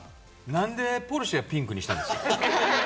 なんでポルシェはピンクにしたんですか。